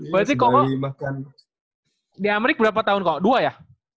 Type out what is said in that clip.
berarti kok di amerika berapa tahun kok dua ya